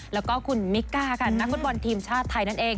แล้วก็คุณมิกก้าค่ะนักฟุตบอลทีมชาติไทยนั่นเอง